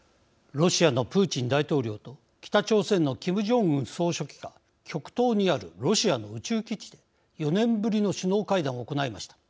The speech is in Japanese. ロシアのプーチン大統領と北朝鮮のキム・ジョンウン総書記が極東にあるロシアの宇宙基地で４年ぶりの首脳会談を行いました。